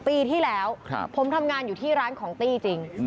ปีที่แล้วผมทำงานอยู่ที่ร้านของตี้จริง